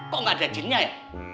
kok nggak ada jinnya ya